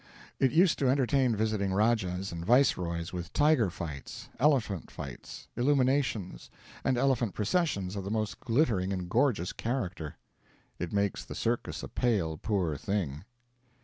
It used to entertain visiting rajahs and viceroys with tiger fights, elephant fights, illuminations, and elephant processions of the most glittering and gorgeous character. It makes the circus a pale, poor thing.